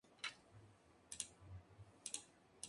Intervino en la serie policíaca “Tatort.